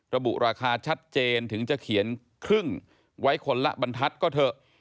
ระบุราคาชัดเจนถึงจะเขียนครึ่งไว้คนละบรรทัศน์ก็เถอะ